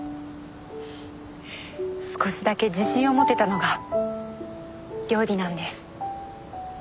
少しだけ自信を持てたのが料理なんです。